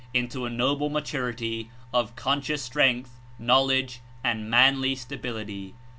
Into a noble maturity of conscious strength, knowledge and manly stability.